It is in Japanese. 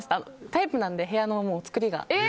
タイプなので、部屋の作りが。